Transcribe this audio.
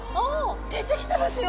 出てきてますよ！